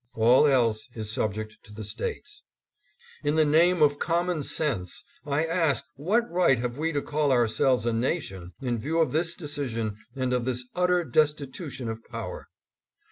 All else is subject to the States. In the name of common sense, I ask what right have we to call ourselves a nation, in view of this decision and of this utter destitution of power?